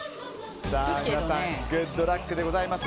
皆さんグッドラックでございます。